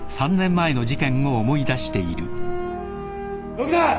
動くな！